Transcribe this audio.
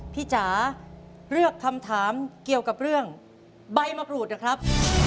จ๋าเลือกคำถามเกี่ยวกับเรื่องใบมะกรูดนะครับ